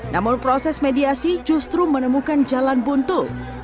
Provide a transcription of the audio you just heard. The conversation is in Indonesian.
namun proses mediasi justru menemukan jalan buntu